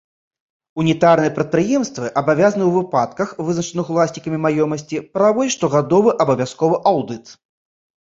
Унітарныя прадпрыемствы абавязаны ў выпадках, вызначаных уласнікам маёмасці, праводзіць штогадовы абавязковы аўдыт.